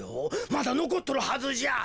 まだのこっとるはずじゃ。